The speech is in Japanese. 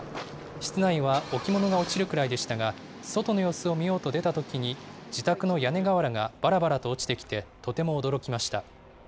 室内は置物が落ちるくらいでしたが、外の様子を見ようと出たときに、自宅の屋根瓦がばらばらと落ちてきてとても驚きました。